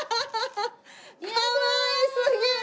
かわいすぎる！